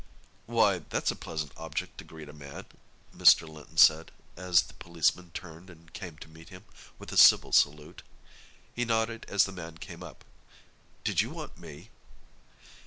"Why, that's a pleasant object to greet a man," Mr. Linton said, as the policeman turned and came to meet him with a civil salute. He nodded as the man came up. "Did you want me?"